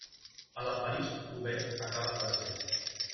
A la París-Roubaix acaba tercer.